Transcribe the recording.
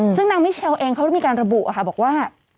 ซึ่งนางมิเชลเองเขามีการระบุบอกว่า